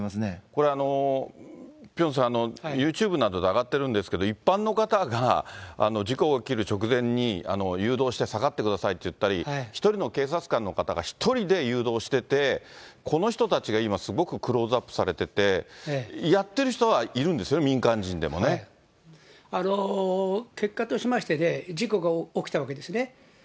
これ、ピョンさん、ユーチューブなどで上がってるんですけど、一般の方が事故が起きる直前に、誘導して下がってくださいって言ったり、１人の警察官の方が１人で誘導してて、この人たちが今、すごくクローズアップされてて、やってる人はいるんですよね、民結果としまして、事故が起きたわけですね。